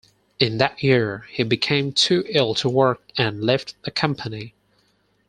In that year he became too ill to work and left the company.